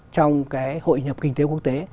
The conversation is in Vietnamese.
trong cái hội nhập kinh tế quốc tế